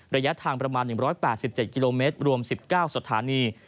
ระยะทางประมาณ๑๘๗กิโลเมตรรวม๑๙สถานี